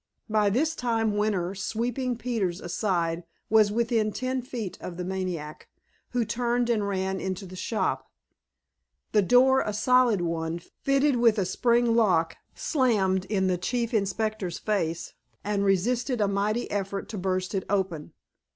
By this time Winter, sweeping Peters aside, was within ten feet of the maniac, who turned and ran into the shop. The door, a solid one, fitted with a spring lock, slammed in the Chief Inspector's face, and resisted a mighty effort to burst it open.